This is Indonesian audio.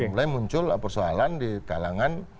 mulai muncul persoalan di kalangan